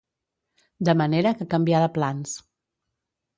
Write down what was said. De manera que canvià de plans.